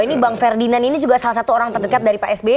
ini bang ferdinand ini juga salah satu orang terdekat dari pak sby